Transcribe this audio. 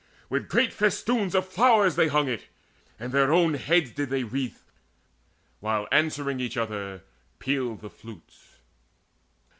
With great festoons of flowers They hung it, and their own heads did they wreathe, While answering each other pealed the flutes.